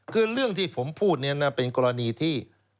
คือเรื่องที่ผมพูดเนี่ยนะเป็นกรณีที่